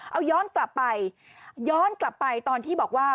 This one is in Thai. เอาย้อนกลับไปย้อนกลับไปตอนที่บอกว่า